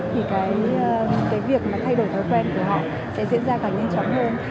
thì việc thay đổi thói quen của họ sẽ diễn ra càng nhanh chóng hơn